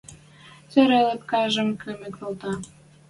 Цӓрӓ лепкӓжӹм кымык валта.